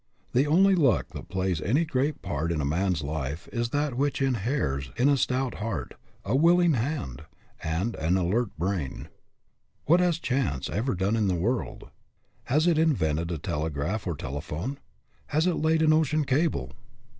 The only luck that plays any great part in a man's life is that which inheres in a stout heart, a willing hand, and an alert brain. What has chance ever done in the world? WHAT HAS LUCK DONE? 219 Has it invented a telegraph or telephone? Has it laid an ocean cable